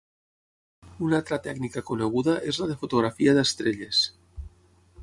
Una altra tècnica coneguda és la de fotografia d'estrelles.